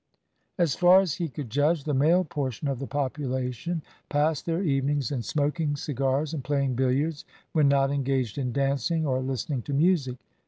As far as he could judge, the male portion of the population passed their evenings in smoking cigars and playing billiards, when not engaged in dancing or listening to music.